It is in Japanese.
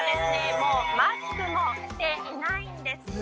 もうマスクもしていないんですね